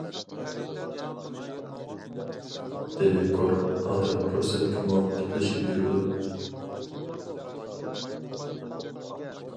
دىلى كور ئادەم پۇرسەتكىمۇ پۇتلىشىپ يۈرىدۇ.